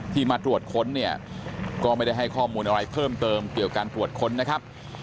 มาตรวจค้นเนี่ยก็ไม่ได้ให้ข้อมูลอะไรเพิ่มเติมเกี่ยวการตรวจค้นนะครับ